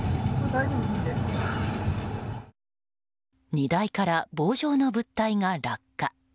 荷台から棒状の物体が落下。